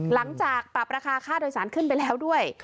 หลังจากปรับราคาค่าโดยสารขึ้นไปแล้วด้วย